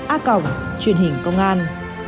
a cổng truyền hình công an